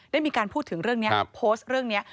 ได้มีการพูดถึงเรื่องนี้โพสต์เรื่องนี้